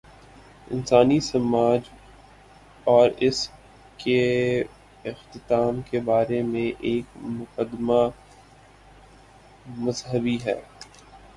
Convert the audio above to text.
انسانی سماج اور اس کے اختتام کے بارے میں ایک مقدمہ مذہبی ہے۔